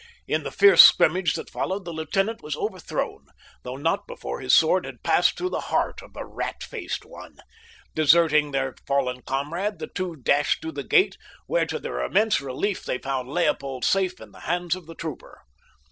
In the fierce scrimmage that followed the lieutenant was overthrown, though not before his sword had passed through the heart of the rat faced one. Deserting their fallen comrade the two dashed through the gate, where to their immense relief they found Leopold safe in the hands of the trooper.